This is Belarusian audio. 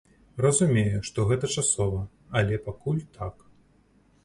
Разумею, што гэта часова, але пакуль так.